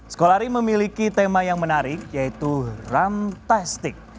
sekolari memiliki tema yang menarik yaitu runtastic